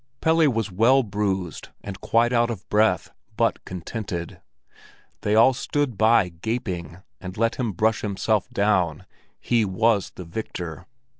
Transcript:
Pelle was well bruised and quite out of breath, but contented. They all stood by, gaping, and let him brush himself down; he was the victor.